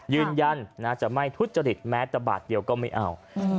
ยืนยันจะไม่ทุจริตแม้แต่บาทเดียวก็ไม่เอา